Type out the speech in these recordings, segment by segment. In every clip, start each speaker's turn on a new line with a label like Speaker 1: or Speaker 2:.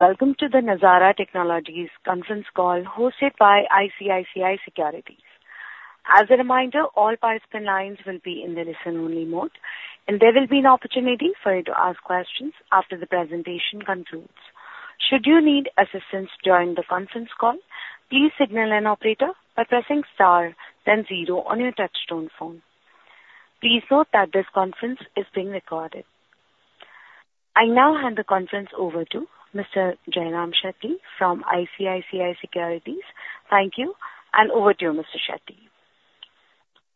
Speaker 1: Welcome to the Nazara Technologies conference call hosted by ICICI Securities. As a reminder, all participant lines will be in the listen-only mode, and there will be an opportunity for you to ask questions after the presentation concludes. Should you need assistance during the conference call, please signal an operator by pressing star then zero on your touchtone phone. Please note that this conference is being recorded. I now hand the conference over to Mr. Jayram Shetty from ICICI Securities. Thank you, and over to you, Mr. Shetty.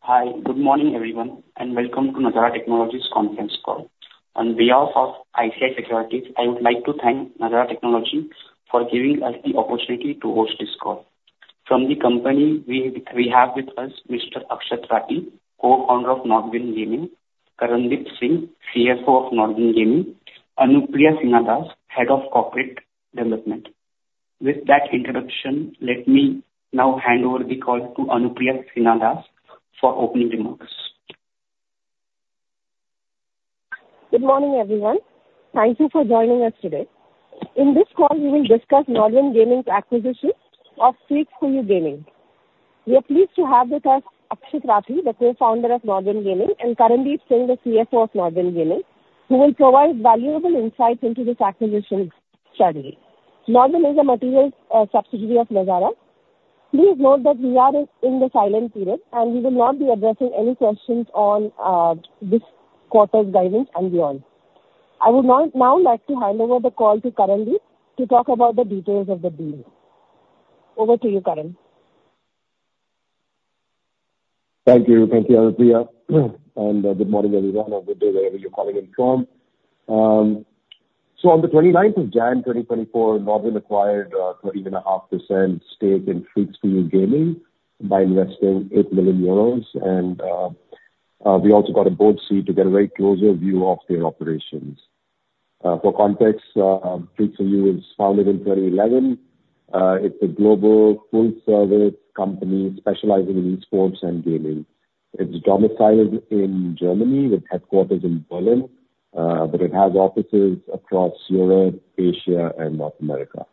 Speaker 2: Hi, good morning, everyone, and welcome to Nazara Technologies Conference Call. On behalf of ICICI Securities, I would like to thank Nazara Technologies for giving us the opportunity to host this call. From the company, we have with us Mr. Akshat Rathee, co-founder of NODWIN Gaming, Karandeep Singh, CFO of NODWIN Gaming, Anupriya Sinha Das, Head of Corporate Development. With that introduction, let me now hand over the call to Anupriya Sinha Das for opening remarks.
Speaker 3: Good morning, everyone. Thank you for joining us today. In this call, we will discuss Nodwin Gaming's acquisition of Freaks 4U Gaming. We are pleased to have with us Akshat Rathee, the co-founder of Nodwin Gaming, and Karandeep Singh, the CFO of Nodwin Gaming, who will provide valuable insights into this acquisition strategy. Nodwin is a material subsidiary of Nazara. Please note that we are in the silent period, and we will not be addressing any questions on this quarter's guidance and beyond. I would now like to hand over the call to Karandeep to talk about the details of the deal. Over to you, Karan.
Speaker 4: Thank you. Thank you, Anupriya, and good morning, everyone, or good day, wherever you're calling in from. So on the 29th of January 2024, Nodwin acquired 30.5% stake in Freaks 4U Gaming by investing 8 million euros, and we also got a board seat to get a very closer view of their operations. For context, Freaks 4U was founded in 2011. It's a global full service company specializing in esports and gaming. It's domiciled in Germany with headquarters in Berlin, but it has offices across Europe, Asia and North America.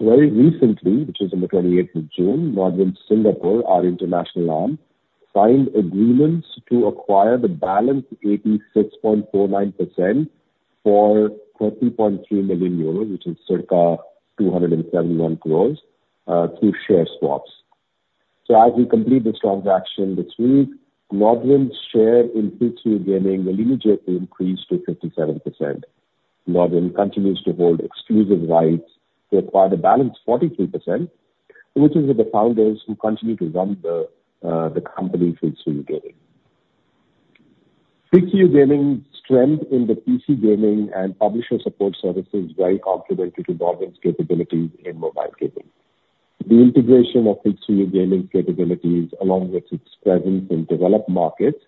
Speaker 4: Very recently, which is on the 28th of June, Nodwin Singapore, our international arm, signed agreements to acquire the balance 86.49% for 30.3 million euros, which is circa 271 crore through share swaps. So as we complete this transaction this week, NODWIN's share in Freaks 4U Gaming will immediately increase to 57%. NODWIN continues to hold exclusive rights to acquire the balance 43%, which is with the founders who continue to run the company, Freaks 4U Gaming. Freaks 4U Gaming's strength in the PC gaming and publisher support services very complementary to NODWIN's capabilities in mobile gaming. The integration of Freaks 4U Gaming's capabilities, along with its presence in developed markets,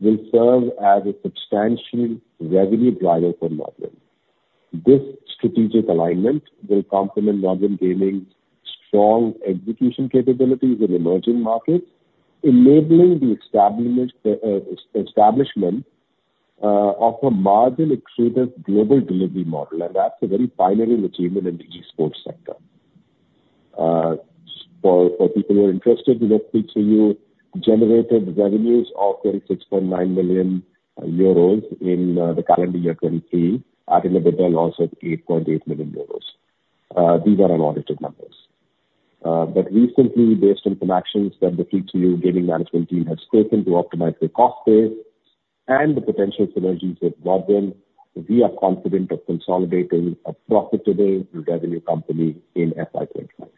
Speaker 4: will serve as a substantial revenue driver for NODWIN. This strategic alignment will complement NODWIN Gaming's strong execution capabilities in emerging markets, enabling the establishment of a margin-expanded global delivery model, and that's a very pioneering achievement in the esports sector. For people who are interested, Freaks 4U Gaming generated revenues of 36.9 million euros in the calendar year 2023, EBITDA also at 8.8 million euros. These are unaudited numbers. But recently, based on some actions that the Freaks 4U Gaming management team has taken to optimize their cost base and the potential synergies with NODWIN Gaming, we are confident of consolidating a profitability through revenue company in FY 25.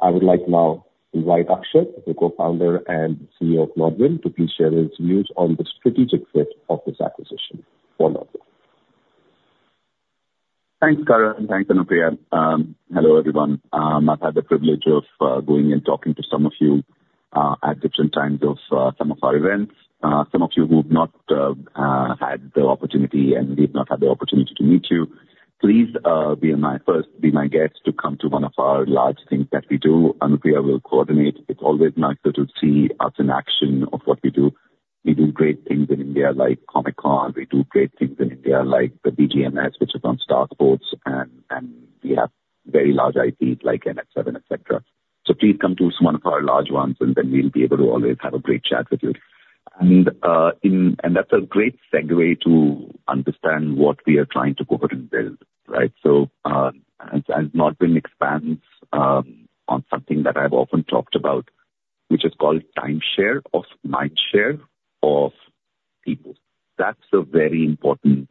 Speaker 4: I would like now to invite Akshat, the co-founder and CEO of NODWIN Gaming, to please share his views on the strategic fit of this acquisition. Over to you.
Speaker 2: Thanks, Karan, and thanks, Anupriya. Hello, everyone. I've had the privilege of going and talking to some of you at different times of some of our events. Some of you who've not had the opportunity and we've not had the opportunity to meet you, please be my guest to come to one of our large things that we do. Anupriya will coordinate. It's always nicer to see us in action of what we do. We do great things in India like Comic Con. We do great things in India like the BGMS, which is on Star Sports, and we have very large IPs like NH7, et cetera. So please come to one of our large ones, and then we'll be able to always have a great chat with you. And that's a great segue to understand what we are trying to go ahead and build, right? So, as Nodwin expands, on something that I've often talked about, which is called timeshare of mindshare of people, that's a very important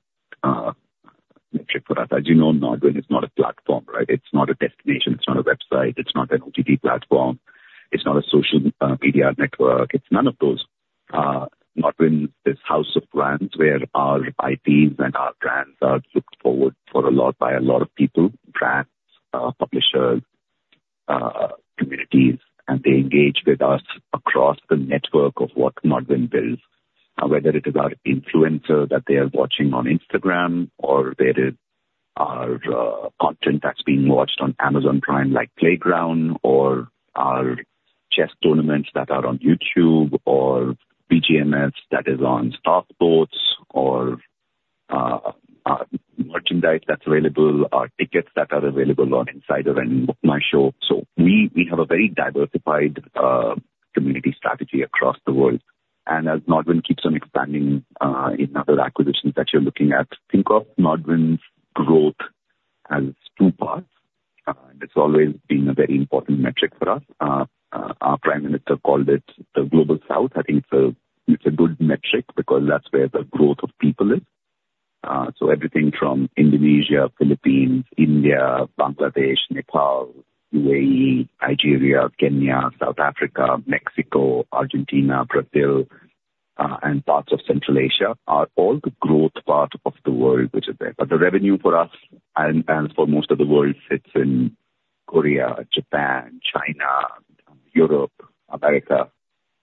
Speaker 2: metric for us. As you know, Nodwin is not a platform, right? It's not a destination. It's not a website. It's not an OTT platform. It's not a social media network. It's none of those. Nodwin is house of brands, where our IPs and our brands are looked forward for a lot, by a lot of people, brands, publishers, communities, and they engage with us across the network of what Nodwin builds. Whether it is our influencers that they are watching on Instagram or whether our content that's being watched on Amazon Prime, like Playground, or our chess tournaments that are out on YouTube, or BGMS that is on Star Sports, or, merchandise that's available, or tickets that are available on Insider and BookMyShow. So we, we have a very diversified, community strategy across the world. And as Nodwin keeps on expanding, in other acquisitions that you're looking at, think of Nodwin's growth as two parts. It's always been a very important metric for us. Our Prime Minister called it the Global South. I think it's a, it's a good metric, because that's where the growth of people is. So everything from Indonesia, Philippines, India, Bangladesh, Nepal, UAE, Nigeria, Kenya, South Africa, Mexico, Argentina, Brazil, and parts of Central Asia, are all the growth part of the world, which is there. But the revenue for us and, and for most of the world sits in Korea, Japan, China, Europe, America,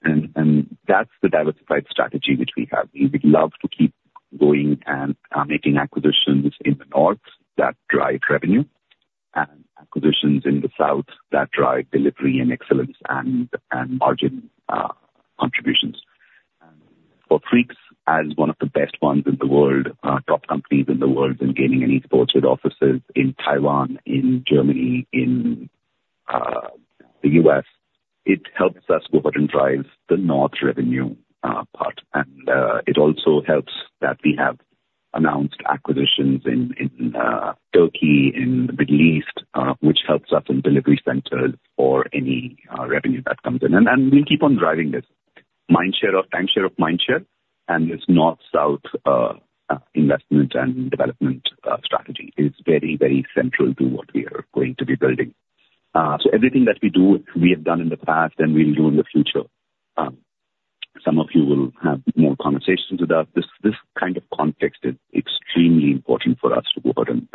Speaker 2: and, and that's the diversified strategy which we have. We would love to keep going and, making acquisitions in the north that drive revenue, and acquisitions in the south that drive delivery and excellence and, and margin, contributions. For Freaks, as one of the best ones in the world, top companies in the world in gaming and esports with offices in Taiwan, in Germany, in, the US, it helps us go ahead and drive the North revenue, part. And, it also helps that we have announced acquisitions in, in, Turkey, in the Middle East, which helps us in delivery centers or any, revenue that comes in. And, and we'll keep on driving this. Timeshare of mindshare, and this North-South investment and development strategy is very, very central to what we are going to be building. So everything that we do, we have done in the past, and we'll do in the future. Some of you will have more conversations with us. This, this kind of context is extremely important for us to go ahead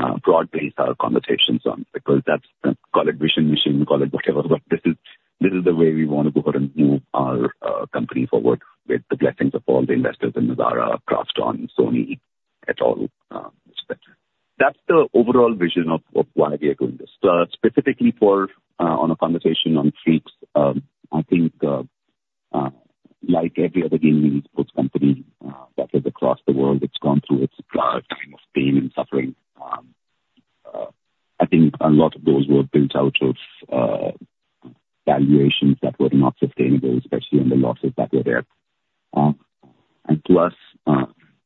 Speaker 2: and broad base our conversations on, because that's call it vision, mission, call it whatever, but this is, this is the way we want to go ahead and move our company forward with the blessings of all the investors in Nazara, Krafton, Sony, et al., et cetera. That's the overall vision of why we are doing this. Specifically, on a conversation on Freaks, I think, like every other gaming sports company that is across the world, it's gone through its time of pain and suffering. I think a lot of those were built out of valuations that were not sustainable, especially in the losses that were there. And to us,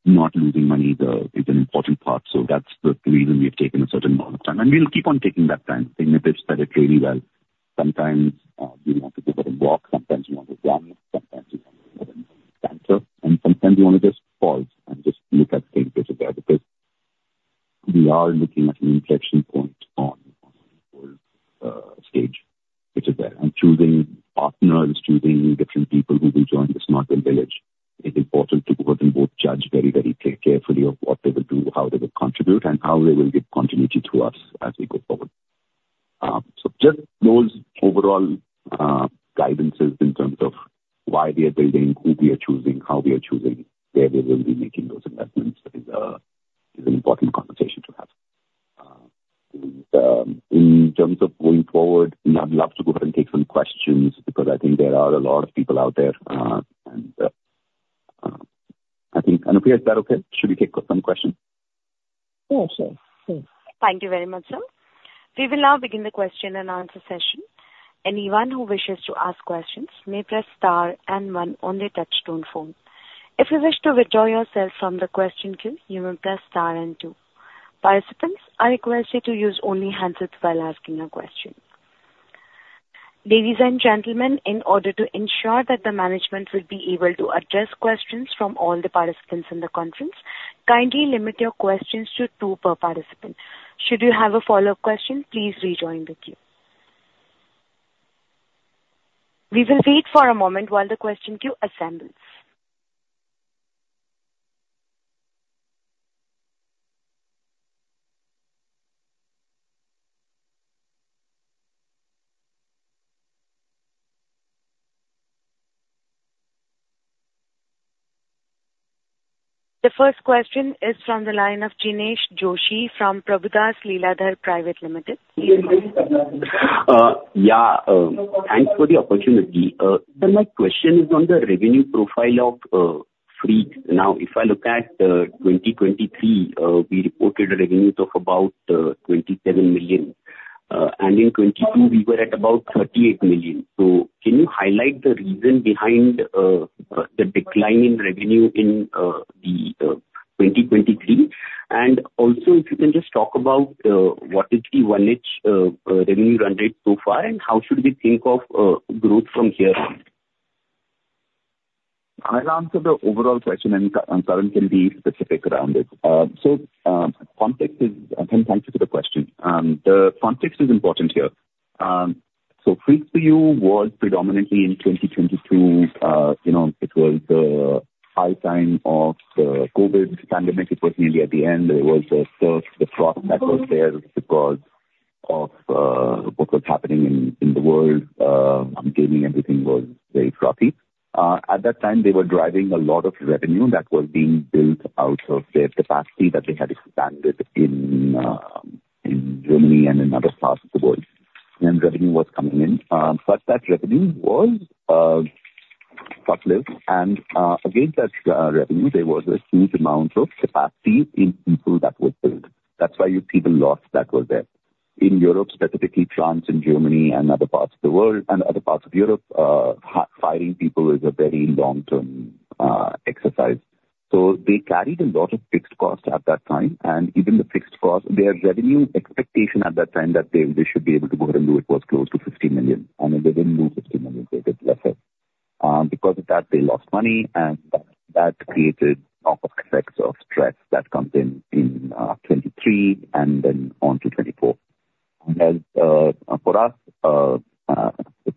Speaker 2: not losing money is an important part, so that's the reason we've taken a certain amount of time. And we'll keep on taking that time. Thing is that it really well. Sometimes, we want to go for a walk, sometimes we want to run, sometimes we want to crawl, and sometimes we want to just pause and just look at the landscape there, because we are looking at an inflection point on stage, which is there. Choosing partners, choosing different people who will join this Nodwin village, it's important to go ahead and vote, judge very, very carefully of what they will do, how they will contribute, and how they will give continuity to us as we go forward. So just those overall guidances in terms of why we are building, who we are choosing, how we are choosing, where we will be making those investments is an important conversation to have. In terms of going forward, I'd love to go ahead and take some questions, because I think there are a lot of people out there, and I think, Anupriya, is that okay? Should we take some questions?
Speaker 3: Yeah, sure. Sure.
Speaker 1: Thank you very much, sir. We will now begin the question and answer session. Anyone who wishes to ask questions may press star and one on their touchtone phone. If you wish to withdraw yourself from the question queue, you may press star and two. Participants, I request you to use only handsets while asking a question. Ladies and gentlemen, in order to ensure that the management will be able to address questions from all the participants in the conference, kindly limit your questions to two per participant. Should you have a follow-up question, please rejoin the queue. We will wait for a moment while the question queue assembles. The first question is from the line of Jinesh Joshi from Prabhudas Lilladher Private Limited.
Speaker 5: Yeah, thanks for the opportunity. And my question is on the revenue profile of Freaks. Now, if I look at 2023, we reported revenues of about 27 million. And in 2022, we were at about 38 million. So can you highlight the reason behind the decline in revenue in 2023? And also, if you can just talk about what is the Q1 revenue run rate so far, and how should we think of growth from here on?
Speaker 2: I'll answer the overall question, and Karan can be specific around it. So, context is... Thanks for the question. The context is important here. So Freaks 4U was predominantly in 2022, you know, it was the high time of the COVID pandemic. It was nearly at the end. There was a surge, the froth that was there because of what was happening in, in the world, gaming, everything was very frothy. At that time, they were driving a lot of revenue that was being built out of their capacity that they had expanded in, in Germany and in other parts of the world, and revenue was coming in. But that revenue was costless, and against that revenue, there was a huge amount of capacity in people that were built. That's why you people lost that were there. In Europe, specifically France and Germany and other parts of the world and other parts of Europe, firing people is a very long-term exercise. So they carried a lot of fixed costs at that time, and even the fixed cost, their revenue expectation at that time that they, they should be able to go ahead and do it was close to 50 million, and they didn't do 50 million, they did lesser. Because of that, they lost money, and that created knock-on effects of stress that comes in 2023, and then on to 2024. As for us, the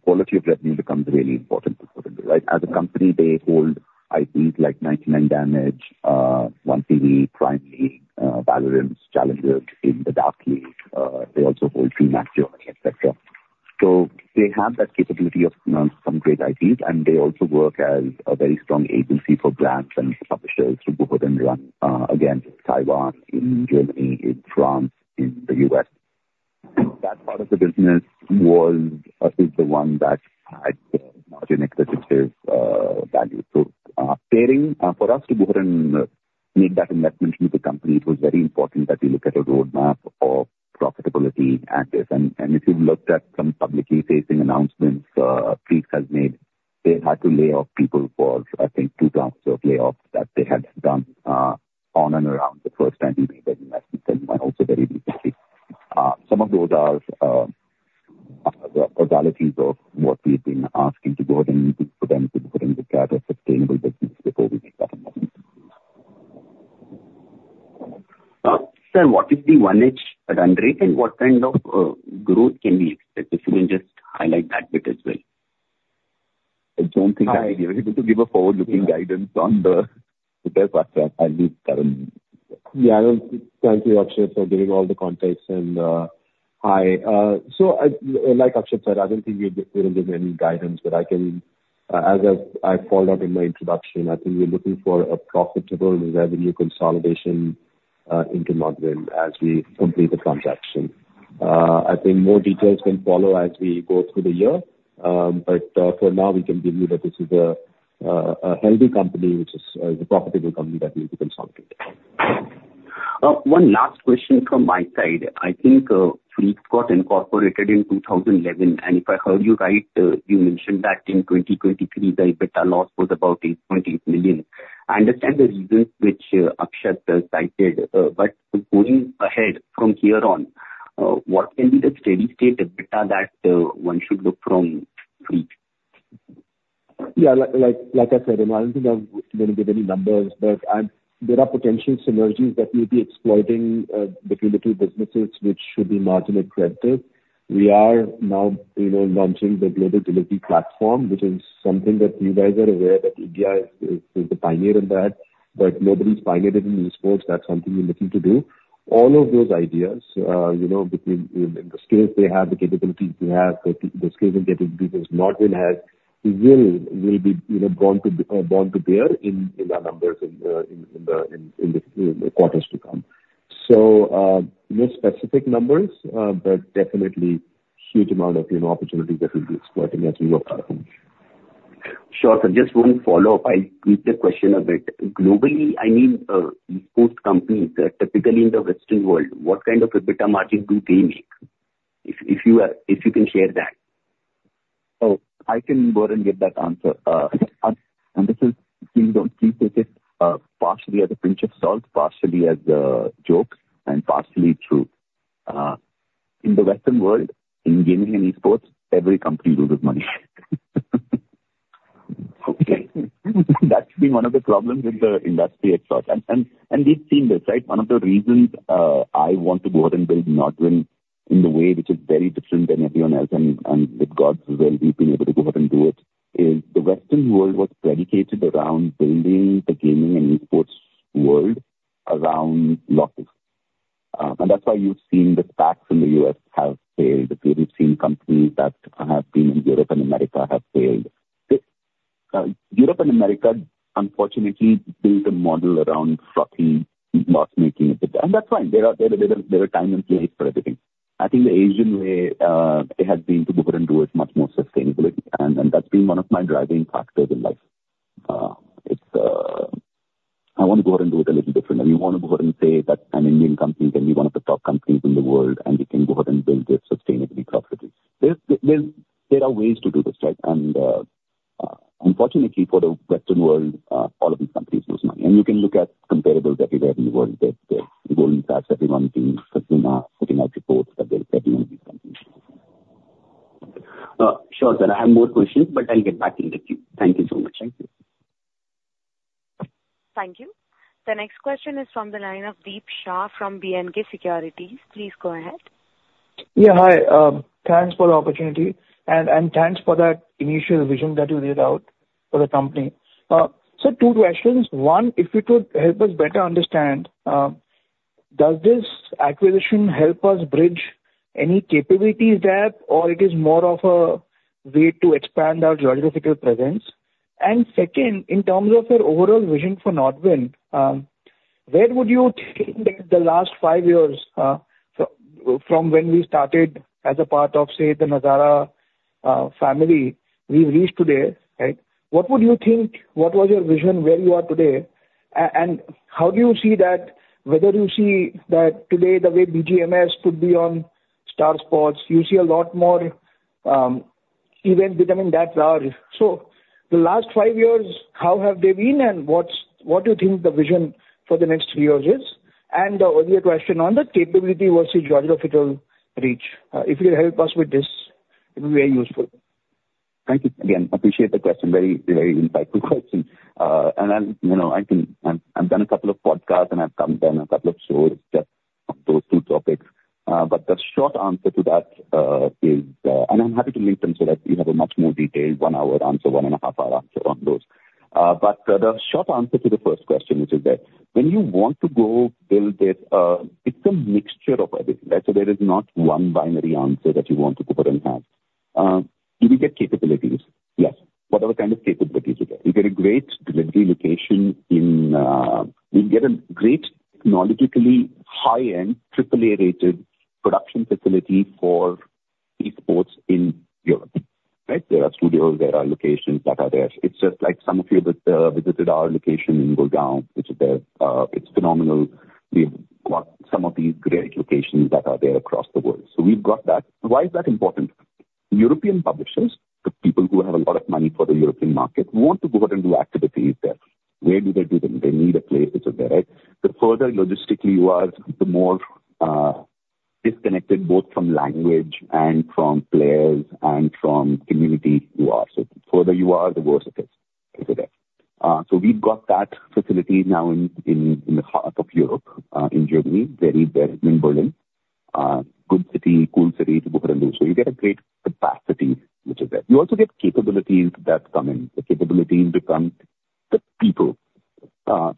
Speaker 2: quality of revenue becomes really important for them, right? As a company, they hold IPs like 99Damage, 1PV, Prime League, VALORANT Challengers DACH League. They also hold Freaks 4U Germany, et cetera. So they have that capability of some great IPs, and they also work as a very strong agency for brands and publishers to go ahead and run again in Taiwan, in Germany, in France, in the US. That part of the business was, is the one that had margin-accretive value. So pairing for us to go ahead and make that investment into the company, it was very important that we look at a roadmap of profitability and this. And if you've looked at some publicly facing announcements Freaks has made, they had to lay off people for, I think, two rounds of layoffs that they had done on and around the first time we made that investment and also very recently. Some of those are the analogies of what we've been asking to go ahead and put them to put in the chart of sustainable business. [inaudible]
Speaker 5: What is the [inaudible] run rate, and what kind of growth can we expect? If you can just highlight that bit as well.
Speaker 2: I don't think I'm able to give forward-looking guidance on the with their platform, I will give Karan.
Speaker 4: Yeah, I don't... Thank you, Akshat, for giving all the context and, hi. So I, like Akshat said, I don't think we will give any guidance, but I can, as I called out in my introduction, I think we're looking for a profitable revenue consolidation into Nodwin as we complete the transaction. I think more details can follow as we go through the year. But for now, we can give you that this is a healthy company, which is a profitable company that we need to consolidate.
Speaker 5: One last question from my side. I think, Freak got incorporated in 2011, and if I heard you right, you mentioned that in 2023, the EBITDA loss was about 8.8 million. I understand the reasons which, Akshat, cited, but going ahead from here on, what can be the steady state EBITDA that, one should look from Freak?
Speaker 4: Yeah, like, like I said, I don't think I'm gonna give any numbers, but there are potential synergies that we'll be exploiting between the two businesses, which should be margin accredited. We are now, you know, launching the Global Delivery Platform, which is something that you guys are aware that India is the pioneer in that, but nobody's pioneered it in esports. That's something we're looking to do. All of those ideas, you know, between the skills they have, the capabilities they have, the skills and capabilities Nodwin has, will be, you know, born to bear in our numbers in the quarters to come. So, no specific numbers, but definitely huge amount of, you know, opportunities that we'll be exploring as we work our way.
Speaker 5: Sure. So just one follow-up. I'll tweak the question a bit. Globally, I mean, esports companies, typically in the Western world, what kind of EBITDA margin do they make? If, if you, if you can share that.
Speaker 4: Oh, I can go ahead and give that answer. And this is... Please take it, partially at a pinch of salt, partially as a joke, and partially true. In the Western world, in gaming and esports, every company loses money. Okay. That's been one of the problems with the industry at large, and, and, and we've seen this, right? One of the reasons, I want to go ahead and build Nodwin in a way which is very different than everyone else, and, and with God's will, we've been able to go ahead and do it, is the Western world was predicated around building the gaming and esports world around losses. And that's why you've seen the stacks in the US have failed. You've seen companies that have been in Europe and America have failed. Europe and America unfortunately built a model around frothy loss-making, and that's fine. There are time and place for everything. I think the Asian way, it has been to go ahead and do it much more sustainably, and, and that's been one of my driving factors in life. It's... I want to go ahead and do it a little differently. We want to go ahead and say that an Indian company can be one of the top companies in the world, and we can go ahead and build it sustainably, profitably. There are ways to do this, right? And unfortunately for the Western world, all of these companies lose money. And you can look at comparables everywhere in the world, the Goldman Sachs everyone can assume are putting out reports that they're setting all these companies.
Speaker 5: Sure, sir, I have more questions, but I'll get back in the queue. Thank you so much. Thank you.
Speaker 1: Thank you. The next question is from the line of Deep Shah from B&K Securities. Please go ahead.
Speaker 6: Yeah, hi. Thanks for the opportunity, and thanks for that initial vision that you laid out for the company. So two questions. One, if you could help us better understand... Does this acquisition help us bridge any capabilities gap, or it is more of a way to expand our geographical presence? And second, in terms of your overall vision for Nodwin, where would you think that the last five years, from when we started as a part of, say, the Nazara family, we've reached today, right? What would you think? What was your vision, where you are today? And how do you see that, whether you see that today, the way BGMS could be on Star Sports, you see a lot more events becoming that large. The last five years, how have they been, and what do you think the vision for the next three years is? The earlier question on the capability versus geographical reach. If you help us with this, it will be very useful.
Speaker 2: Thank you again. Appreciate the question. Very, very insightful question. I'm, you know, I think I've done a couple of podcasts, and I've done a couple of shows just on those two topics. The short answer to that is, and I'm happy to link them so that you have a much more detailed one-hour answer, one-and-a-half-hour answer on those. The short answer to the first question, which is that when you want to go build this, it's a mixture of everything. There is not one binary answer that you want to go out and have. Do we get capabilities? Yes. What other kind of capabilities we get? We get a great delivery location in... We get a great technologically high-end, triple-A-rated production facility for Esports in Europe, right? There are studios, there are locations that are there. It's just like some of you visited our location in Gurgaon, which is there. It's phenomenal. We've got some of these great locations that are there across the world. So we've got that. Why is that important? European publishers, the people who have a lot of money for the European market, want to go out and do activities there. Where do they do them? They need a place which is there, right? The further logistically you are, the more, disconnected both from language and from players and from community you are. So the further you are, the worse it is, is it there? So we've got that facility now in the heart of Europe, in Germany, very there in Berlin. Good city, cool city to go out and do. So you get a great capacity, which is there. You also get capabilities that come in, the capability becomes the people.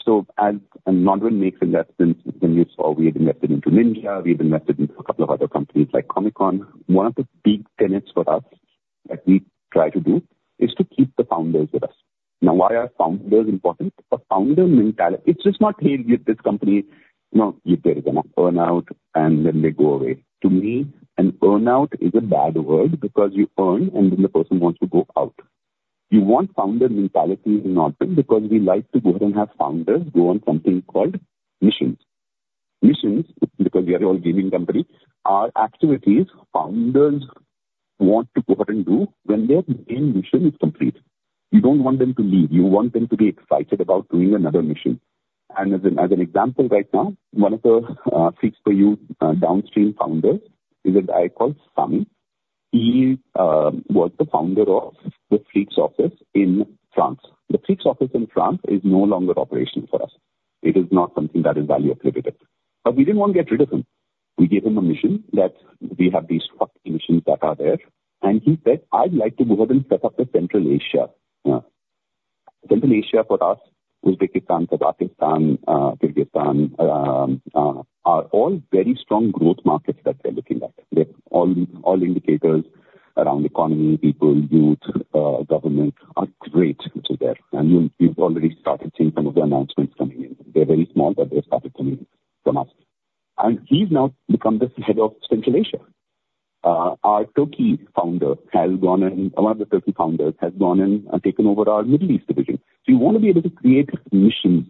Speaker 2: So as Nodwin makes investments, when you saw, we invested into India, we've invested into a couple of other companies like Comic Con. One of the big tenets for us that we try to do is to keep the founders with us. Now, why are founders important? A founder mentality, it's just not, "Hey, get this company." No, they're gonna burn out, and then they go away. To me, a burn out is a bad word, because you earn, and then the person wants to go out. You want founder mentality in Nodwin, because we like to go out and have founders go on something called missions. Missions, because we are all gaming company, are activities founders want to go out and do when their main mission is complete. You don't want them to leave. You want them to be excited about doing another mission. And as an example right now, one of the Freaks 4U downstream founders is a guy called Haenisch. He was the founder of the Freaks 4U office in France. The Freaks 4U office in France is no longer operational for us. It is not something that is value accretive, but we didn't want to get rid of him. We gave him a mission that we have these four missions that are there, and he said: "I'd like to go ahead and set up the Central Asia." Central Asia, for us, is Uzbekistan, Tajikistan, Kyrgyzstan are all very strong growth markets that they're looking at. They're all, all indicators around economy, people, youth, government, are great, which is there. You've already started seeing some of the announcements coming in. They're very small, but they've started coming from us. He's now become the head of Central Asia. Our Turkey founder has gone, and one of the Turkey founders has gone and taken over our Middle East division. So you wanna be able to create missions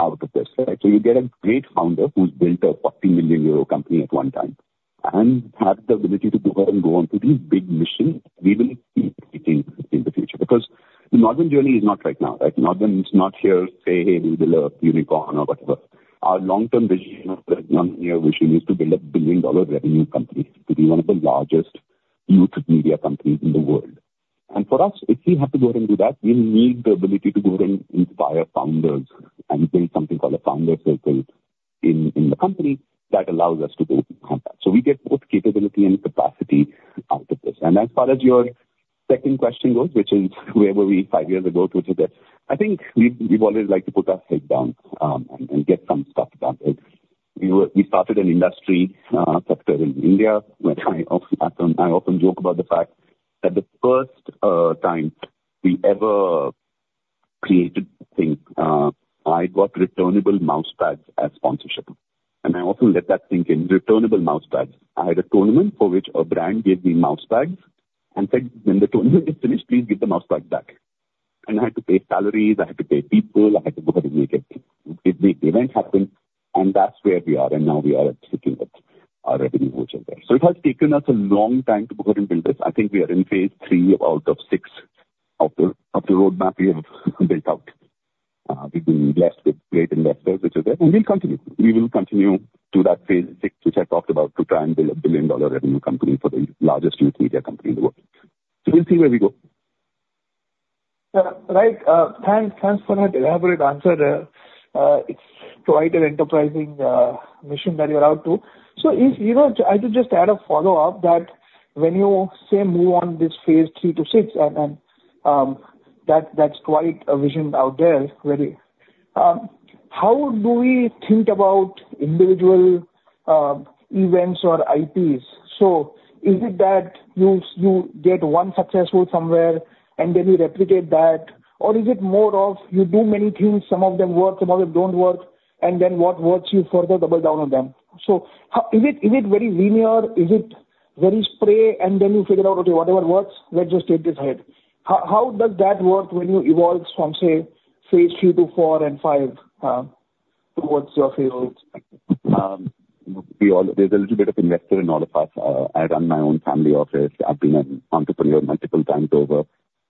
Speaker 2: out of this, right? So you get a great founder who's built a 40 million euro company at one time and have the ability to go out and go on to these big missions. We will keep meeting in the future because the Nodwin journey is not right now, right? NODWIN is not here to say, "Hey, we build a unicorn or whatever." Our long-term vision, our long-term vision is to build a billion-dollar revenue company, to be one of the largest youth media companies in the world. And for us, if we have to go out and do that, we need the ability to go out and inspire founders and build something called a founder circle in, in the company that allows us to go and have that. So we get both capability and capacity out of this. And as far as your second question goes, which is where were we five years ago to today? I think we've, we've always liked to put our head down, and get some stuff done. It's... We were. We started an industry, sector in India, which I often joke about the fact that the first time we ever created a thing, I got returnable mouse pads as sponsorship, and I often let that sink in, returnable mouse pads. I had a tournament for which a brand gave me mouse pads and said, "When the tournament is finished, please give the mouse pads back." And I had to pay salaries, I had to pay people, I had to go out and make it, make the event happen, and that's where we are, and now we are sitting with our revenue, which are there. So it has taken us a long time to go out and build this. I think we are in phase III out of VI of the roadmap we have built out. We've been blessed with great investors, which is there, and we'll continue. We will continue to that phase VI, which I talked about, to try and build a billion-dollar revenue company for the largest youth media company in the world. We'll see where we go.
Speaker 6: Right. Thanks, thanks for that elaborate answer there. It's quite an enterprising mission that you're out to. So if, you know, I could just add a follow-up, that when you say move on this phase III to VI, and, and- That, that's quite a vision out there, very. How do we think about individual events or IPs? So is it that you, you get one successful somewhere and then you replicate that? Or is it more of you do many things, some of them work, some of them don't work, and then what works, you further double down on them. So how- Is it, is it very linear? Is it very spray, and then you figure out, okay, whatever works, let's just take this ahead. How does that work when you evolve from, say, phase III to IV and V, towards your field?
Speaker 2: We all—there's a little bit of investor in all of us. I run my own family office. I've been an entrepreneur multiple times over.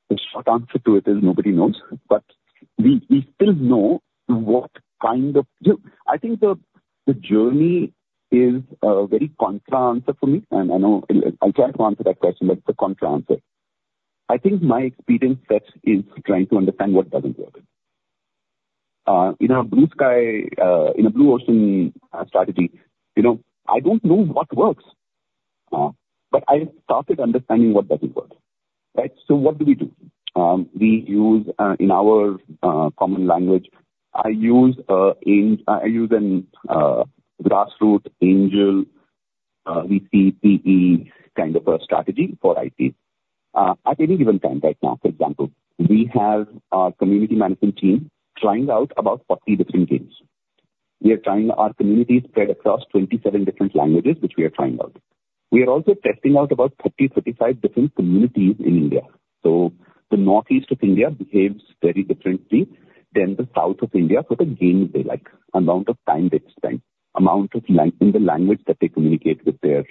Speaker 2: The short answer to it is nobody knows, but we, we still know what kind of... You know, I think the journey is very contrarian answer for me, and I know I'm trying to answer that question, but it's a contrarian answer. I think my experience set is trying to understand what doesn't work. In a blue sky, in a blue ocean strategy, you know, I don't know what works, but I started understanding what doesn't work, right? So what do we do? In our common language, I use a grassroots angel, VC, PE kind of a strategy for IT. At any given time, right now, for example, we have our community management team trying out about 40 different games. We are trying our community spread across 27 different languages, which we are trying out. We are also testing out about 30-35 different communities in India. So the northeast of India behaves very differently than the south of India for the games they like, amount of time they spend, amount of language in the language that they communicate with their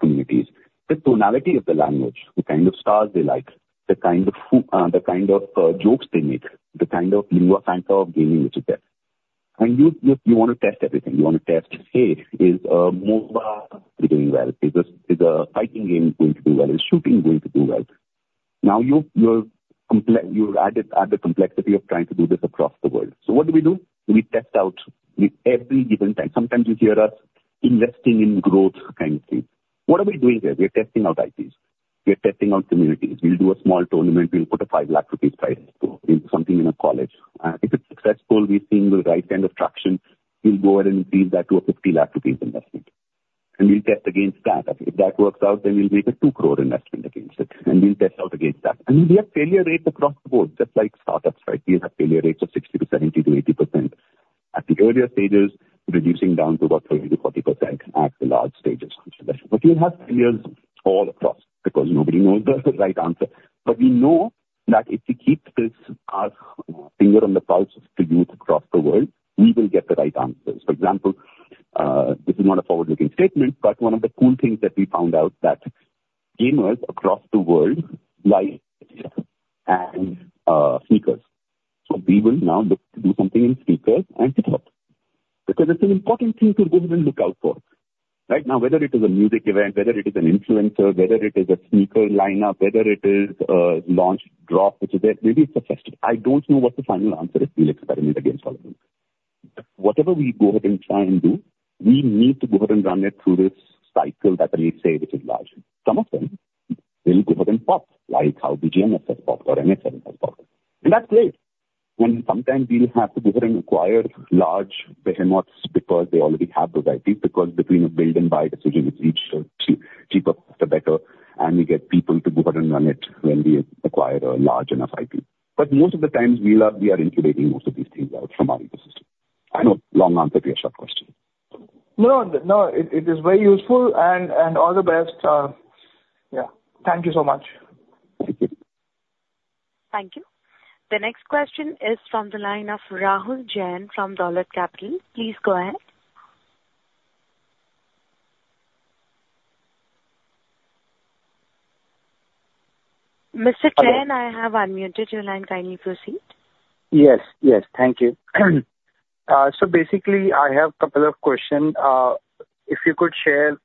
Speaker 2: communities, the tonality of the language, the kind of stars they like, the kind of jokes they make, the kind of nuance of gaming, which is there. You want to test everything. You want to test, hey, is MOBA doing well? Is this fighting game going to do well? Is shooting going to do well? Now, you add the complexity of trying to do this across the world. So what do we do? We test out with every given time. Sometimes you hear us investing in growth kind of thing. What are we doing there? We are testing out IPs. We are testing out communities. We'll do a small tournament. We'll put a 5 lakh rupees prize, so we'll do something in a college. And if it's successful, we've seen the right kind of traction, we'll go ahead and increase that to a 50 lakh rupees investment, and we'll test against that. If that works out, then we'll make a 2 crore investment against it, and we'll test out against that. And we have failure rates across the board, just like startups, right? We have failure rates of 60%-70%-80%. At the earlier stages, reducing down to about 30%-40% at the large stages of investment. But we have failures all across because nobody knows the right answer. But we know that if we keep this, our finger on the pulse to youth across the world, we will get the right answers. For example, this is not a forward-looking statement, but one of the cool things that we found out, that gamers across the world like and, sneakers. So we will now look to do something in sneakers and pickup, because it's an important thing to go ahead and look out for. Right now, whether it is a music event, whether it is an influencer, whether it is a sneaker lineup, whether it is a launch drop, which is there, maybe it's a festival. I don't know what the final answer is. We'll experiment against all of them. Whatever we go ahead and try and do, we need to go ahead and run it through this cycle that I may say, which is large. Some of them will go ahead and pop, like how BGMS has popped or NH7 has popped. And that's great. When sometimes we'll have to go ahead and acquire large behemoths because they already have those IPs, because between a build and buy decision, it's each cheaper, the better, and we get people to go ahead and run it when we acquire a large enough IP. But most of the times, we are, we are incubating most of these things out from our ecosystem. I know, long answer to your short question.
Speaker 6: No, no, it, it is very useful, and, and all the best. Yeah. Thank you so much.
Speaker 2: Thank you.
Speaker 1: Thank you. The next question is from the line of Rahul Jain from Dolat Capital. Please go ahead. Mr. Jain, I have unmuted your line. Kindly proceed.
Speaker 7: Yes, yes. Thank you. Basically I have couple of questions. If you could share,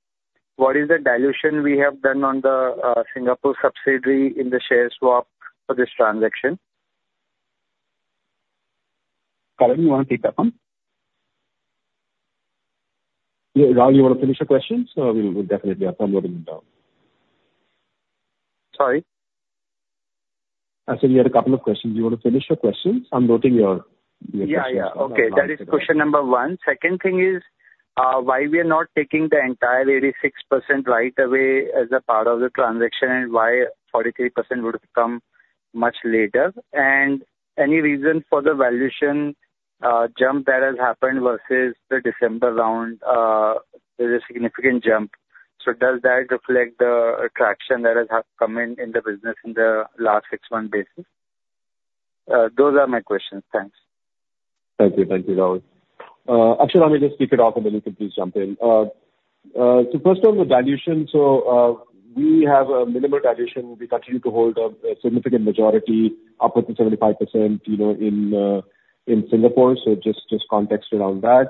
Speaker 7: what is the dilution we have done on the Singapore subsidiary in the share swap for this transaction?
Speaker 2: Karan, you wanna take that one?
Speaker 4: Yeah, Rahul, you want to finish your questions? So we'll definitely have some noting down.
Speaker 7: Sorry.
Speaker 4: I said you had a couple of questions. You want to finish your questions? I'm noting your, your questions.
Speaker 7: Yeah, yeah. Okay. That is question number 1. Second thing is, why we are not taking the entire 86% right away as a part of the transaction, and why 43% would come much later? And any reason for the valuation, jump that has happened versus the December round? There's a significant jump. So does that reflect the traction that has have come in, in the business in the last 6-month basis? Those are my questions. Thanks.
Speaker 4: Thank you. Thank you, Rahul. Akshat, let me just kick it off, and then you can please jump in. First on the dilution, we have a minimal dilution. We continue to hold a significant majority, upwards of 75%, you know, in Singapore. Just context around that.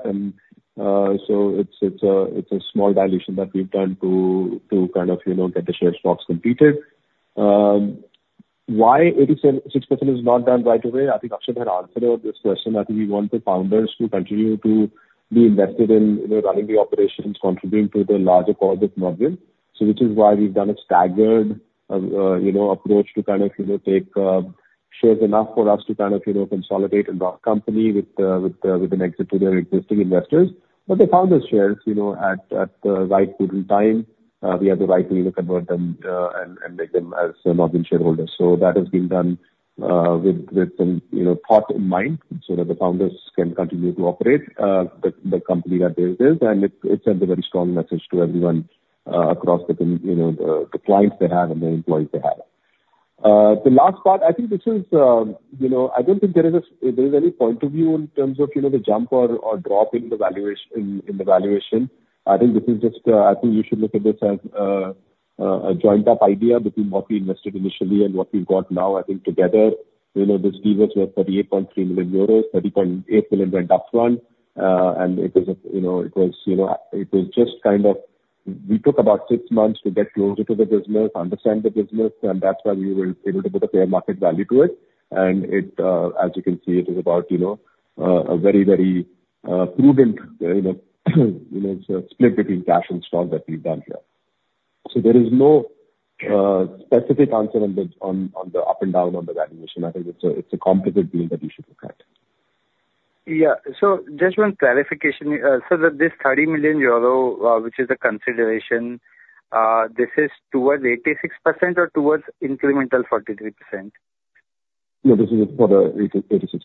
Speaker 4: It's a small dilution that we've done to kind of, you know, get the share swaps completed. Why 86% is not done right away? I think Akshat had answered this question. I think we want the founders to continue to be invested in, you know, running the operations, contributing to the larger. So which is why we've done a staggered, you know, approach to kind of, you know, take shares enough for us to kind of, you know, consolidate and grow our company with, with an exit to their existing investors. But the founder shares, you know, at the right point in time, we have the right to, you know, convert them, and make them as Nodwin shareholders. So that has been done, with some, you know, thought in mind so that the founders can continue to operate, the company that theirs is, and it sends a very strong message to everyone, across the com- you know, the clients they have and the employees they have. The last part, I think this is, you know, I don't think there is a, there is any point of view in terms of, you know, the jump or, or drop in the valuation. I think this is just, I think you should look at this as, a joined up idea between what we invested initially and what we've got now. I think together, you know, this gives us your 38.3 million euros, 30.8 million went up front. And it was a, you know, it was, you know, it was just kind of... We took about six months to get closer to the business, understand the business, and that's why we were able to put a fair market value to it. It, as you can see, is about, you know, a very, very prudent, you know, split between cash and stock that we've done here. So there is no specific answer on the up and down on the valuation. I think it's a complicated view that you should look at.
Speaker 7: Yeah. So just one clarification. So that this 30 million euro, which is the consideration, this is towards 86% or towards incremental 43%?
Speaker 4: No, this is for the 86%.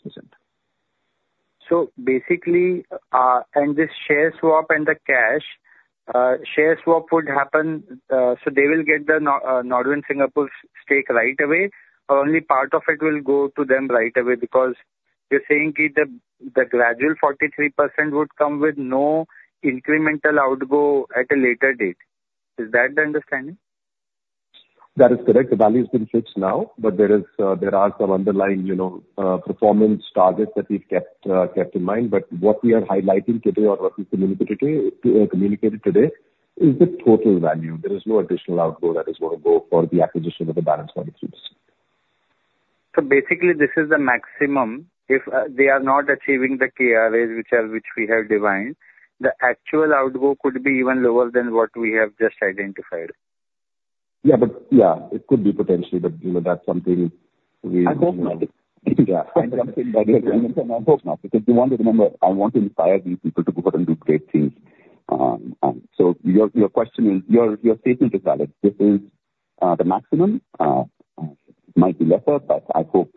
Speaker 7: Basically, and this share swap and the cash share swap would happen, so they will get the NODWIN Singapore's stake right away? Or only part of it will go to them right away because they're saying that the gradual 43% would come with no incremental outgo at a later date. Is that the understanding?
Speaker 4: That is correct. The value has been fixed now, but there are some underlying, you know, performance targets that we've kept in mind. But what we are highlighting today or what we communicated today, is the total value. There is no additional outgo that is gonna go for the acquisition of the balance 43%.
Speaker 7: Basically this is the maximum. If they are not achieving the KRAs which we have defined, the actual outgo could be even lower than what we have just identified.
Speaker 4: Yeah, but yeah, it could be potentially, but, you know, that's something we-
Speaker 7: I hope not.
Speaker 2: Yeah. I hope not, because we want to remember, I want to inspire these people to go out and do great things. So your question is, your statement is valid. This is the maximum. It might be lesser, but I hope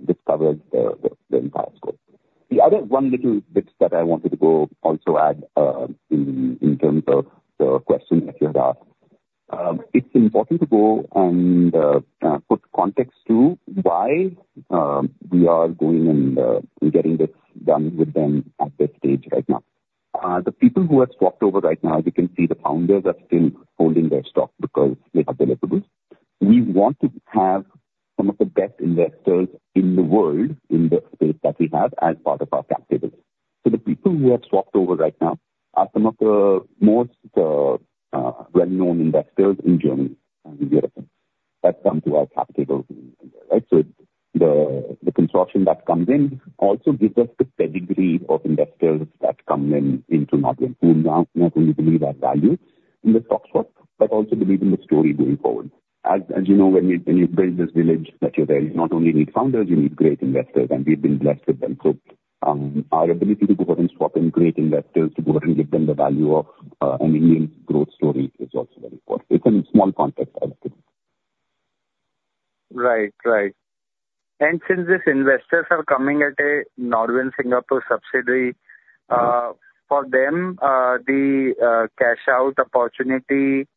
Speaker 2: this covers the entire scope. The other one little bit that I wanted to go also add in terms of the question that you have asked. It's important to go and put context to why we are going and getting this done with them at this stage right now. The people who have swapped over right now, as you can see, the founders are still holding their stock because they are deliverables. We want to have some of the best investors in the world in the space that we have as part of our capital. So the people who have swapped over right now are some of the most well-known investors in Germany and in Europe that come to our capital, right? So the construction that comes in also gives us the pedigree of investors that come in into Nodwin, who not only believe our values in the stock swap, but also believe in the story going forward. As you know, when you build this village that you're there, you not only need founders, you need great investors, and we've been blessed with them. So our ability to go out and swap in great investors, to go out and give them the value of an Indian growth story is also very important. It's a small context as well.
Speaker 7: Right. Right. And since these investors are coming at a Nodwin Singapore subsidiary, for them, the cash out opportunity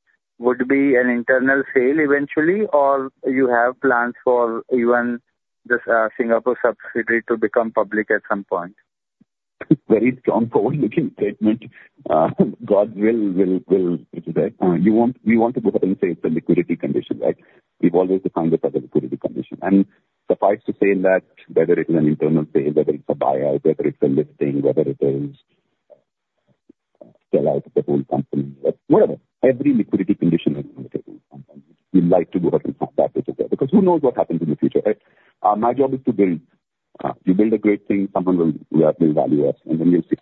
Speaker 7: would be an internal sale eventually, or you have plans for even this Singapore subsidiary to become public at some point?
Speaker 2: Very strong forward-looking statement. God will, will, will... Which is that, you want, we want to go ahead and say it's a liquidity condition, right? We've always defined it as a liquidity condition. And suffice to say that whether it's an internal sale, whether it's a buyout, whether it's a listing, whether it is sell out the whole company, whatever, every liquidity condition is acceptable. We like to go out and find that because who knows what happens in the future, right? My job is to build. You build a great thing, someone will build value up, and then you'll see.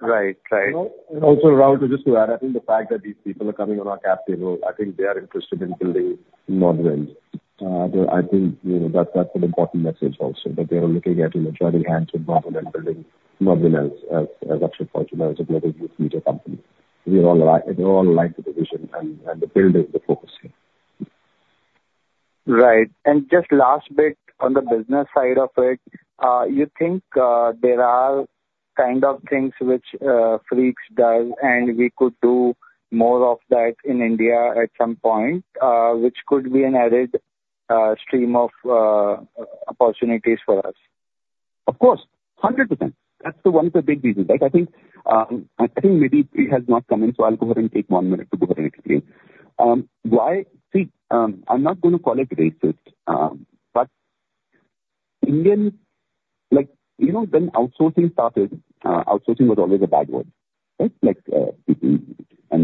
Speaker 7: Right. Right.
Speaker 4: And also, Rahul, just to add, I think the fact that these people are coming on our capital, I think they are interested in building Nodwin. They're, I think, you know, that, that's an important message also, that they are looking at, you know, joining hands with Nodwin and building Nodwin as, as, as upfront, you know, as a global youth media company. We all like- they all like the vision and, and the building, the focus here.
Speaker 7: Right. Just last bit on the business side of it, you think, there are kind of things which Freaks does, and we could do more of that in India at some point, which could be an added stream of opportunities for us?
Speaker 2: Of course, 100%. That's the one of the big reasons, right? I think, I think maybe he has not come in, so I'll go ahead and take 1 minute to go ahead and explain. Why. See, I'm not going to call it racist, but Indian, like, you know, when outsourcing started, outsourcing was always a bad word, right? Like, and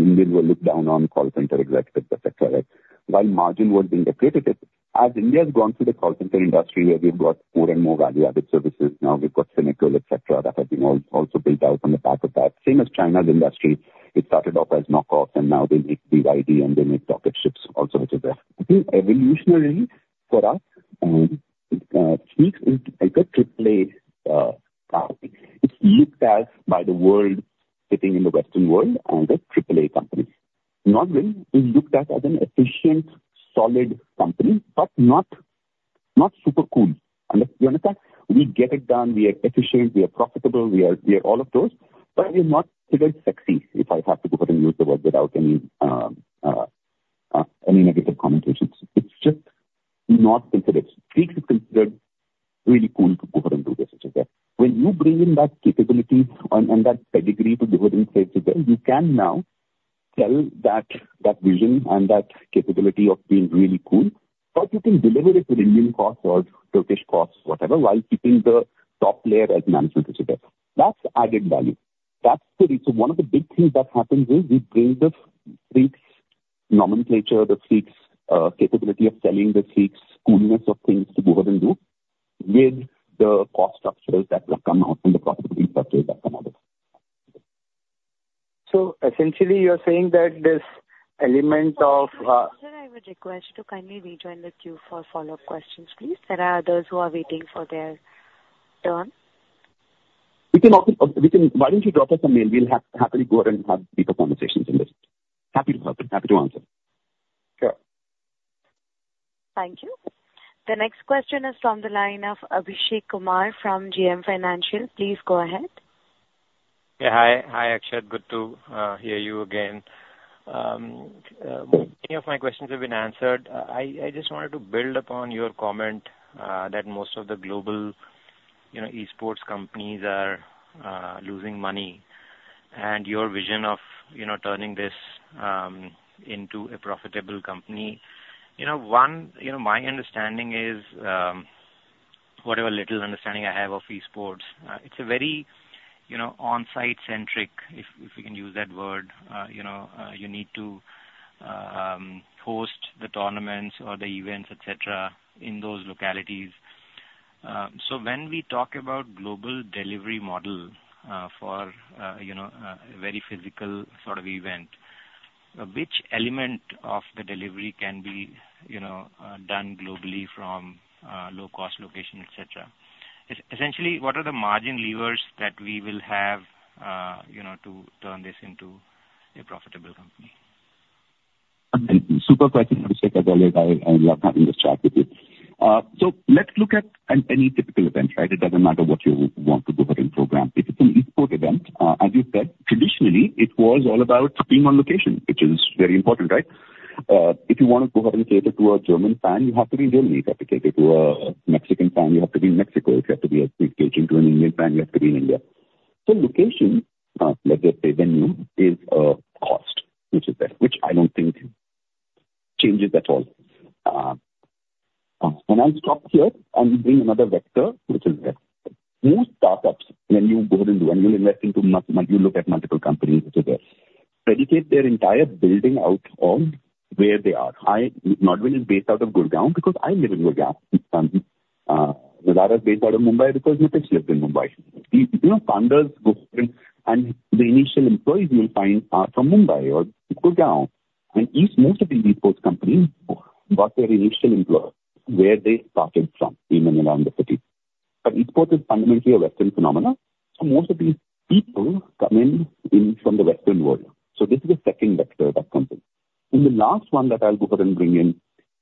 Speaker 2: India will look down on call center executives, et cetera, right? While margin was being depleted, as India has gone through the call center industry, where we've got more and more value-added services, now we've got cynical, et cetera, that have been also built out on the back of that. Same as China's industry, it started off as knockoffs, and now they make BYD, and they make rocket ships also, which is, I think, evolutionary for us, speaks into like a triple A company. It's looked at by the world, sitting in the Western world, as a triple A company. Not really. It's looked at as an efficient, solid company, but not, not super cool. You understand? We get it done, we are efficient, we are profitable, we are, we are all of those, but we are not considered sexy, if I have to go ahead and use the word without any negative connotations. It's just not considered. Freaks is considered really cool to go ahead and do this, et cetera. When you bring in that capability and, and that pedigree to go ahead and say, "So then you can now sell that, that vision and that capability of being really cool," but you can deliver it with Indian costs or Turkish costs, whatever, while keeping the top layer as manufactured there. That's added value. That's the reason. One of the big things that happens is we bring the Freaks nomenclature, the Freaks capability of selling, the Freaks coolness of things to go ahead and do, with the cost structures that will come out and the profitability that come out of.
Speaker 7: So essentially, you're saying that this element of,
Speaker 1: Sir, I would request to kindly rejoin the queue for follow-up questions, please. There are others who are waiting for their turn.
Speaker 2: We can off it. Why don't you drop us a mail? We'll happily go ahead and have deeper conversations in this. Happy to help you. Happy to answer.
Speaker 7: Sure.
Speaker 1: Thank you. The next question is from the line of Abhishek Kumar from JM Financial. Please go ahead.
Speaker 8: Yeah, hi. Hi, Akshat. Good to hear you again. Many of my questions have been answered. I just wanted to build upon your comment that most of the global, you know, Esports companies are losing money, and your vision of, you know, turning this into a profitable company. You know, one, you know, my understanding is whatever little understanding I have of Esports, it's a very, you know, on-site centric, if we can use that word. You know, you need to host the tournaments or the events, et cetera, in those localities. So when we talk about global delivery model for a very physical sort of event, which element of the delivery can be, you know, done globally from low-cost locations, et cetera? Essentially, what are the margin levers that we will have, you know, to turn this into a profitable company?
Speaker 2: Thank you. Super question, Abhishek. As always, I, I love having this chat with you. So let's look at any typical event, right? It doesn't matter what you want to go ahead and program. If it's an Esports event, as you said, traditionally, it was all about being on location, which is very important, right? If you want to go ahead and cater to a German fan, you have to be in Germany. If you have to cater to a Mexican fan, you have to be in Mexico. If you have to be engaging to an Indian fan, you have to be in India. So location, let's just say, venue, is a cost, which is there, which I don't think changes at all. And I'll stop here and bring another vector, which is that most startups, when you go ahead and do, when you invest into multiple companies, et cetera, predicate their entire building out of where they are. Nodwin is based out of Gurgaon because I live in Gurgaon. Nazara is based out of Mumbai because Nitesh lives in Mumbai. You know, founders go through, and the initial employees you will find are from Mumbai or Gurgaon, and most of these Esports companies got their initial employees where they started from, in and around the city. But Esports is fundamentally a Western phenomenon, so most of these people come in from the Western world. So this is the second vector that comes in. And the last one that I'll go ahead and bring in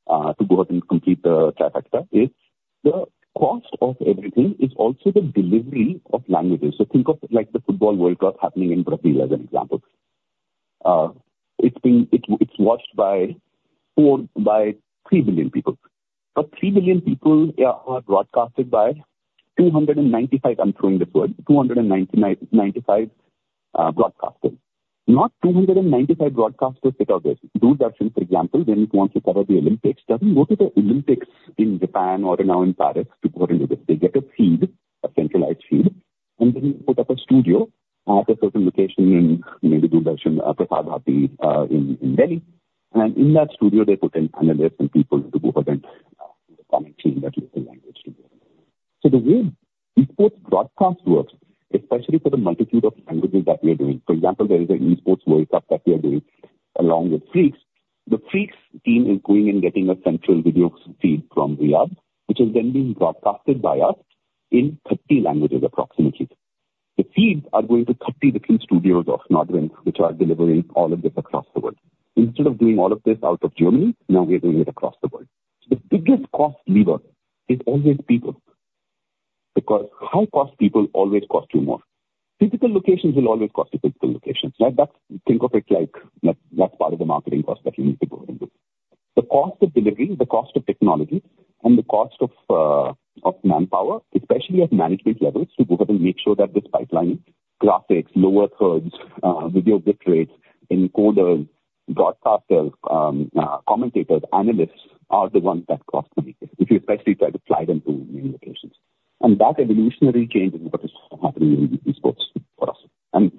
Speaker 2: to go ahead and complete the trifecta is the cost of everything is also the delivery of languages. So think of, like, the Football World Cup happening in Brazil as an example. It's watched by 4, by 3 billion people. But 3 billion people are broadcasted by 295, I'm throwing this word, 295, broadcasters. Not 295 broadcasters put out this. Doordarshan, for example, when it wants to cover the Olympics, doesn't go to the Olympics in Japan or now in Paris to go ahead and do this. They get a feed, a centralized feed, and then put up a studio at a certain location in maybe Doordarshan, Prasar Bharati in Delhi. In that studio, they put in analysts and people to go ahead and commentate in their local language to them. So the way Esports broadcast works, especially for the multitude of languages that we are doing, for example, there is an Esports World Cup that we are doing along with Freaks. The Freaks team is going and getting a central video feed from Riyadh, which is then being broadcasted by us in 30 languages, approximately. The feeds are going to 30 different studios of Nodwin venues, which are delivering all of this across the world. Instead of doing all of this out of Germany, now we are doing it across the world. The biggest cost lever is always people, because high-cost people always cost you more. Physical locations will always cost you physical locations, right? That's... Think of it like that, that's part of the marketing cost that you need to go ahead and do. The cost of delivery, the cost of technology, and the cost of manpower, especially at management levels, to go ahead and make sure that this pipeline, graphics, lower thirds, video bitrates, encoders, broadcasters, commentators, analysts, are the ones that cost the most, if you especially try to fly them to new locations. And that evolutionary change is what is happening in esports for us. And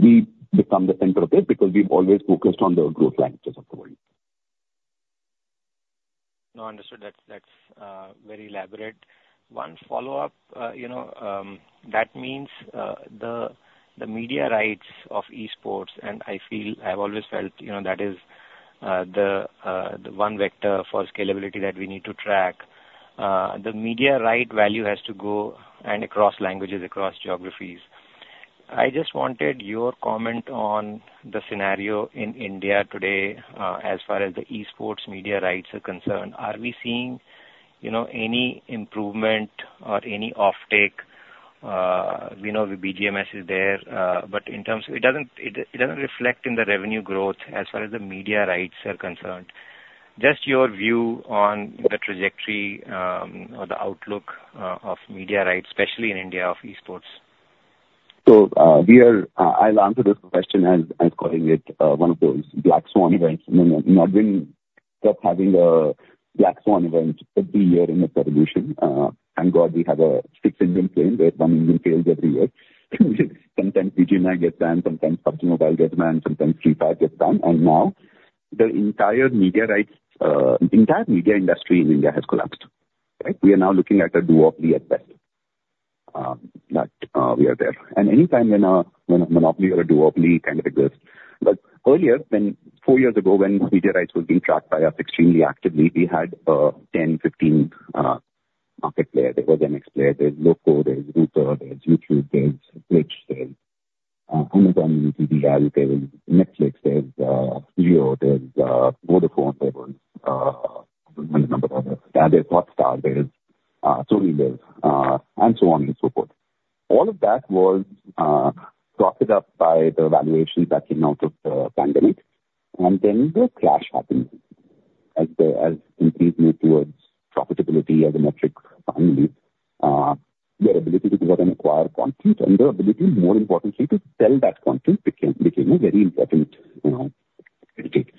Speaker 2: we become the center of it because we've always focused on the growth languages of the world.
Speaker 8: No, understood. That's very elaborate. One follow-up, you know, that means the media rights of esports, and I feel, I've always felt, you know, that is the one vector for scalability that we need to track. The media right value has to go and across languages, across geographies. I just wanted your comment on the scenario in India today, as far as the esports media rights are concerned. Are we seeing, you know, any improvement or any offtake? We know the BGMS is there, but in terms of... It doesn't reflect in the revenue growth as far as the media rights are concerned. Just your view on the trajectory, or the outlook, of media rights, especially in India, of esports.
Speaker 2: So, we are, I'll answer this question as, as calling it, one of those black swan events. Not been having a black swan event every year in the revolution. Thank God we have a 6-engine plane, where one engine fails every year. Sometimes BGMI gets banned, sometimes PUBG Mobile gets banned, sometimes Free Fire gets banned, and now the entire media rights, entire media industry in India has collapsed. Right? We are now looking at a duopoly at best, but, we are there. And anytime when a, when a monopoly or a duopoly kind of exists. But earlier, when four years ago, when media rights were being tracked by us extremely actively, we had, ten, fifteen, market player. There was MX Player, there's Loco, there's Rooter, there's YouTube, there's Twitch, there's Amazon miniTV, there's Netflix, there's Jio, there's Vodafone, there was many number of others. And there's Hotstar, there's SonyLIV, and so on and so forth. All of that was propped up by the valuations that came out of the pandemic, and then the crash happened. As companies move towards profitability as a metric finally, their ability to go out and acquire content and their ability, more importantly, to sell that content became a very important, you know, critique.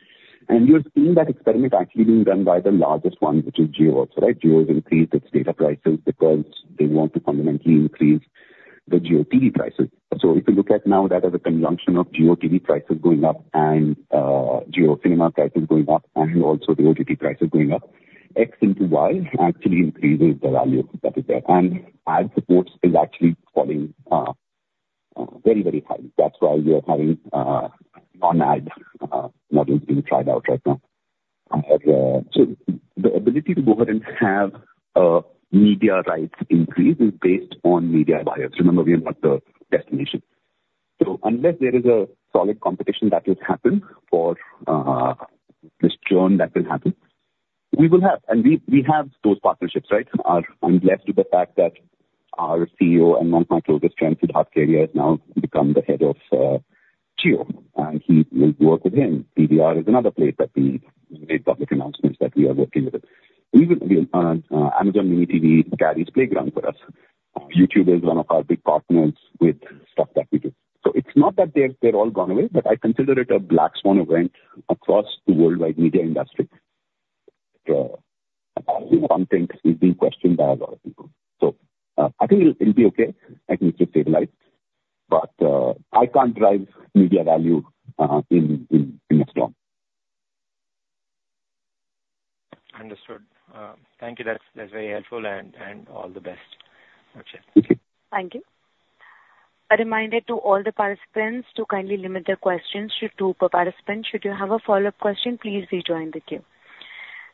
Speaker 2: And you're seeing that experiment actually being done by the largest ones, which is Jio also, right? Jio has increased its data prices because they want to fundamentally increase the JioTV prices. So if you look at now that as a conjunction of JioTV prices going up and JioCinema prices going up, and also the OTT prices going up, X into Y actually increases the value that is there. And ad supports is actually falling very, very high. That's why we are having non-ad model being tried out right now. So the ability to go ahead and have media rights increase is based on media buyers. Remember, we are not the destination. So unless there is a solid competition that will happen for this churn that will happen, we will have, and we, we have those partnerships, right? I'm glad to the fact that our CEO and one of my closest friends, Sidharth Kedia, has now become the head of Jio, and he will work with him. PVR is another place that we made public announcements that we are working with it. Even, Amazon miniTV carries Playground for us. YouTube is one of our big partners with stuff that we do. So it's not that they've, they've all gone away, but I consider it a black swan event across the worldwide media industry. Content is being questioned by a lot of people. So, I think it'll, it'll be okay, I think it should stabilize, but, I can't drive media value, in a storm.
Speaker 8: Understood. Thank you. That's, that's very helpful, and, and all the best. Okay.
Speaker 2: Thank you.
Speaker 1: Thank you. A reminder to all the participants to kindly limit their questions to two per participant. Should you have a follow-up question, please rejoin the queue.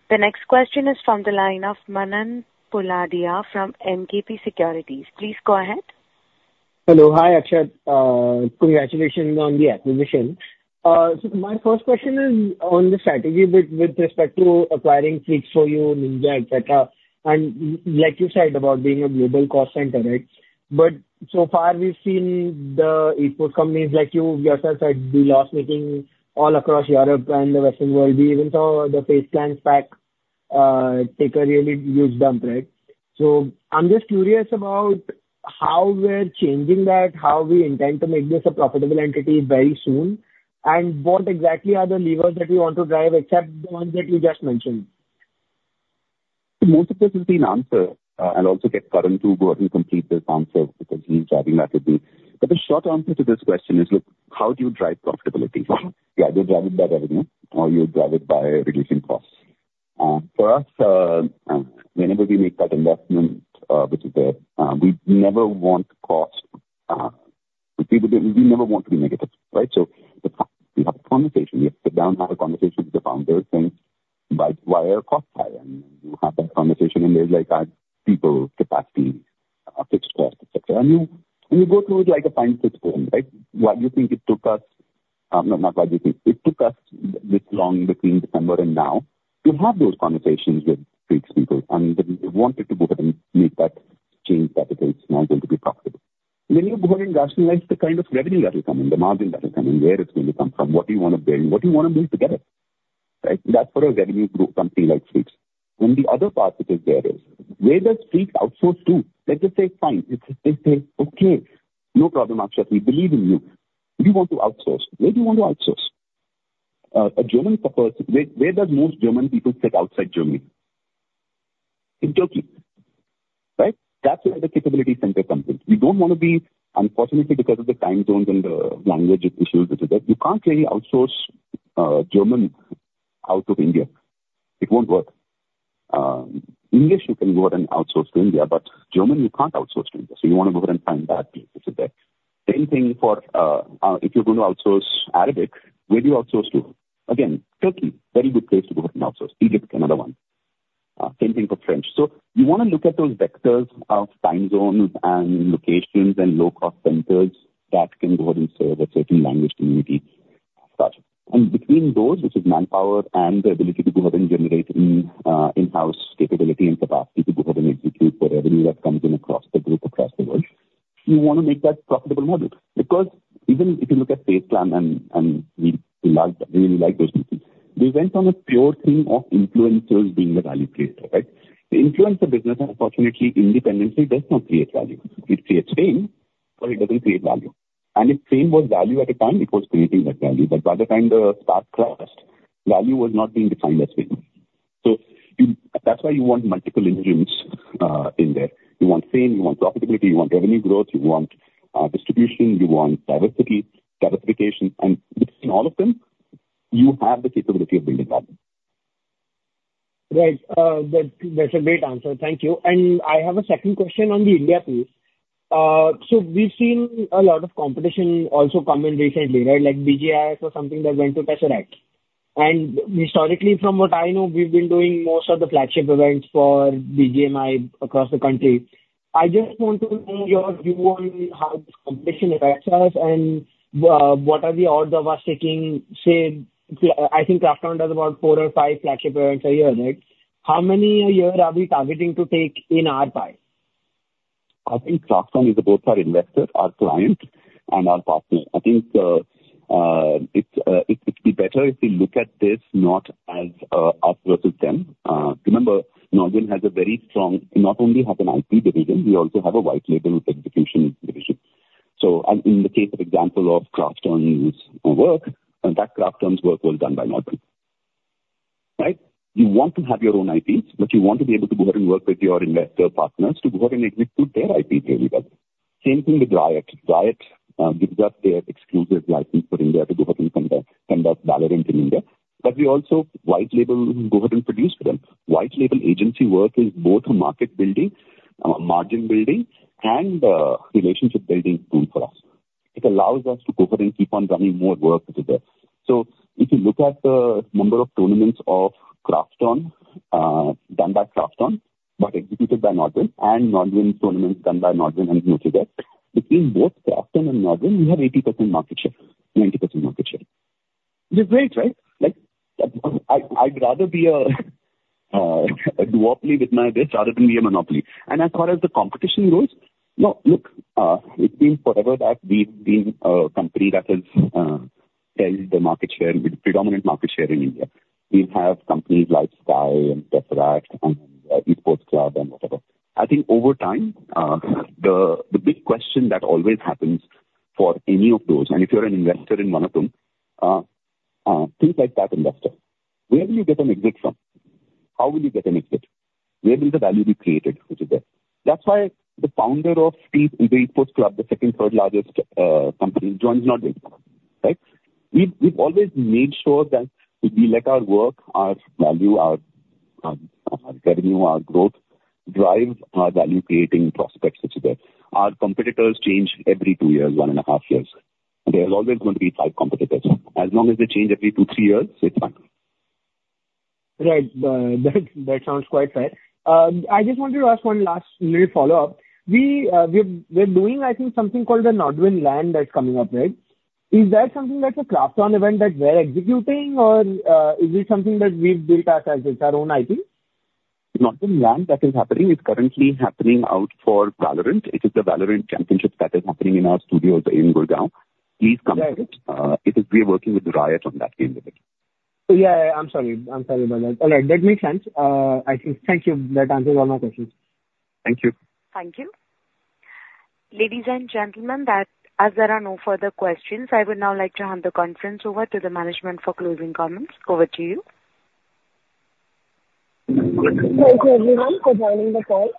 Speaker 1: The next question is from the line of Manan Poladia from MKP Securities. Please go ahead.
Speaker 9: Hello. Hi, Akshat. Congratulations on the acquisition. So my first question is on the strategy with respect to acquiring Freaks 4U, Ninja, et cetera, and like you said about being a global cost center, right? But so far we've seen the esports companies, like you yourself said, be loss-making all across Europe and the Western world. We even saw the FaZe Clan take a really huge dump, right? So I'm just curious about how we're changing that, how we intend to make this a profitable entity very soon, and what exactly are the levers that we want to drive, except the ones that you just mentioned?
Speaker 2: Most of this has been answered, and I'll also get Karan to go ahead and complete this answer because he's driving that with me. But the short answer to this question is, look, how do you drive profitability? You either drive it by revenue, or you drive it by reducing costs. For us, whenever we make that investment, which is there, we never want cost... We never want to be negative, right? So we have a conversation. We have to sit down and have a conversation with the founders, and like, why are our costs high? And you have that conversation, and there's, like, people capacity, fixed costs, et cetera. And you, and you go through it like a fine-tooth comb, right? What you think it took us, no, not what you think. It took us this long between December and now to have those conversations with Freaks people, and they wanted to go ahead and make that change, that it is now going to be profitable. Then you go ahead and rationalize the kind of revenue that will come in, the margin that is coming, where it's going to come from, what do you want to build, what do you want to build together, right? That's for a revenue group, company like Freaks. And the other part which is there is, where does Freaks outsource to? Let's just say, fine. They say, "Okay, no problem, Akshat, we believe in you." We want to outsource. Where do you want to outsource? ... a German person, where, where does most German people sit outside Germany? In Turkey, right? That's where the capability center comes in. We don't wanna be, unfortunately, because of the time zones and the language issues, which is that you can't really outsource German out of India. It won't work. English, you can go out and outsource to India, but German, you can't outsource to India, so you wanna go ahead and find that piece, which is there. Same thing for if you're going to outsource Arabic, where do you outsource to? Again, Turkey, very good place to go ahead and outsource. Egypt, another one. Same thing for French. So you wanna look at those vectors of time zones and locations and low-cost centers that can go ahead and serve a certain language community, as such. Between those, which is manpower and the ability to go ahead and generate in-house capability and capacity to go ahead and execute the revenue that comes in across the group, across the world, you wanna make that profitable model. Because even if you look at FaZe Clan and, and we like, we really like those people, they went from a pure thing of influencers being the value creator, right? The influencer business, unfortunately, independently, does not create value. It creates fame, but it doesn't create value. And if fame was value at a time, it was creating that value, but by the time the stock crashed, value was not being defined as fame. So you--that's why you want multiple engines in there. You want fame, you want profitability, you want revenue growth, you want distribution, you want diversity, diversification, and between all of them, you have the capability of building value.
Speaker 9: Right. That, that's a great answer. Thank you. I have a second question on the India piece. So we've seen a lot of competition also come in recently, right? Like BGIS or something that went to Tesseract. Historically, from what I know, we've been doing most of the flagship events for BGMI across the country. I just want to know your view on how this competition affects us and what are the odds of us taking, say, I think Krafton does about 4 or 5 flagship events a year, right? How many a year are we targeting to take in our pie?
Speaker 2: I think Krafton is both our investor, our client, and our partner. I think, it's, it'd be better if we look at this not as, us versus them. Remember, Nodwin has a very strong... Not only have an IP division, we also have a white label execution division. So as in the case of example of Krafton's work, and that Krafton's work was done by Nodwin, right? You want to have your own IPs, but you want to be able to go ahead and work with your investor partners to go ahead and execute their IP delivery. Same thing with Riot. Riot, gives us their exclusive license for India to go ahead and conduct Valorant in India. But we also white label, go ahead and produce for them. White label agency work is both a market building, margin building and, relationship building tool for us. It allows us to go ahead and keep on running more work, which is there. So if you look at the number of tournaments of Krafton, done by Krafton, but executed by Nodwin, and Nodwin tournaments done by Nodwin and noted there, between both Krafton and Nodwin, we have 80% market share, 90% market share. Which is great, right? Like, I, I'd rather be a, a duopoly with my biz rather than be a monopoly. And as far as the competition goes, no, look, it's been forever that we've been a company that has, held the market share, predominant market share in India. We have companies like Sky and Tesseract and Esports Club and whatever. I think over time, the big question that always happens for any of those, and if you're an investor in one of them, think like that investor. Where will you get an exit from? How will you get an exit? Where will the value be created, which is there? That's why the founder of The Esports Club, the second, third largest, company, joins Nodwin, right? We've always made sure that we let our work, our value, our revenue, our growth, drive our value-creating prospects, which is there. Our competitors change every two years, one and a half years. There's always going to be five competitors. As long as they change every two, three years, it's fine.
Speaker 9: Right. That sounds quite fair. I just wanted to ask one last little follow-up. We're doing, I think, something called the Nodwin LAN that's coming up, right? Is that something that's a Krafton event that we're executing, or is it something that we've built as our own IP?
Speaker 2: NODWIN LAN that is happening, is currently happening out for VALORANT. It is the VALORANT championships that is happening in our studios in Gurgaon. Please come.
Speaker 9: Right.
Speaker 2: It is... We are working with Riot on that game a bit.
Speaker 9: Yeah, I'm sorry. I'm sorry about that. All right, that makes sense. I think... Thank you. That answers all my questions.
Speaker 2: Thank you.
Speaker 1: Thank you. Ladies and gentlemen, as there are no further questions, I would now like to hand the conference over to the management for closing comments. Over to you.
Speaker 3: Thank you, everyone, for joining the call.